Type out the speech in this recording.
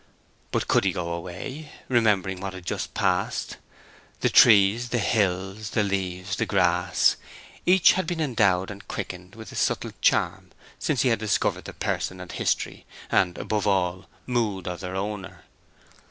But could he go away, remembering what had just passed? The trees, the hills, the leaves, the grass—each had been endowed and quickened with a subtle charm since he had discovered the person and history, and, above all, mood of their owner.